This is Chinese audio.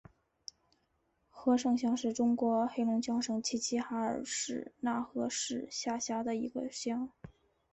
和盛乡是中国黑龙江省齐齐哈尔市讷河市下辖的一个乡。